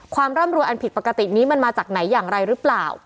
ร่ำรวยอันผิดปกตินี้มันมาจากไหนอย่างไรหรือเปล่า